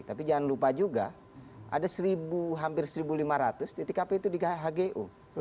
tapi jangan lupa juga ada hampir seribu lima ratus titik hp itu di hgu